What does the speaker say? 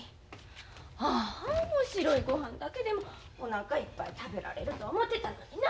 ああ白いごはんだけでもおなかいっぱい食べられると思てたのにな。